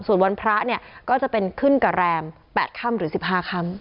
ส่วนวันพระเนี่ยก็จะเป็นขึ้นกับแรม๘ค่ำหรือ๑๕ค่ำ